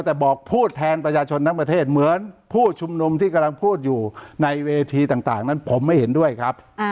แต่บอกพูดแทนประชาชนทั้งประเทศเหมือนผู้ชุมนุมที่กำลังพูดอยู่ในเวทีต่างนั้นผมไม่เห็นด้วยครับ